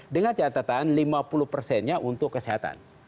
dengan catatan lima puluh persennya untuk kesehatan